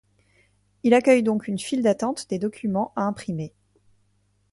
Il accueille donc une file d'attente des documents à imprimer.